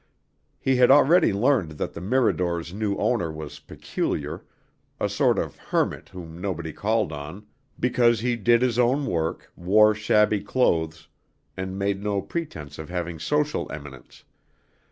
He had already learned that the Mirador's new owner was "peculiar," a sort of hermit whom nobody called on, because he did his own work, wore shabby clothes, and made no pretense of having social eminence.